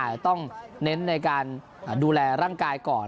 อาจจะต้องเน้นในการดูแลร่างกายก่อน